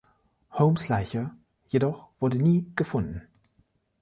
Holmes’ Leiche jedoch wurde nie gefunden.